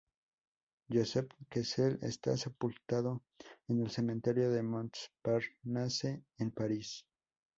Joseph Kessel está sepultado en el Cementerio de Montparnasse en París.